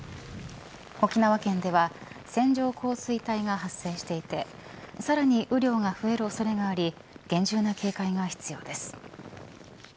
沖縄県は線状降水帯が発生していてさらに雨量が増える恐れがあり厳重な警戒が必要です。